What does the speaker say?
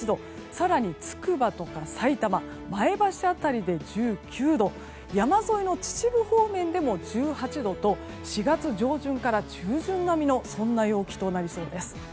更に、つくばとかさいたま前橋辺りで１９度山沿いの秩父方面でも１８度と４月上旬から中旬並みの陽気となりそうです。